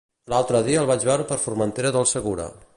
L'altre dia el vaig veure per Formentera del Segura.